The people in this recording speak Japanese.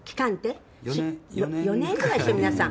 黒柳：４年ぐらいでしょ皆さん。